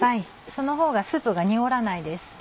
その方がスープが濁らないです。